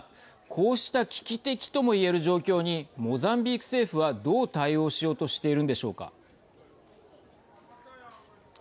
こうした危機的ともいえる状況にモザンビーク政府はどう対応しようとしているんでしょうか。